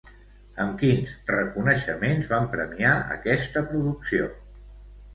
Amb quins reconeixements van premiar aquesta producció?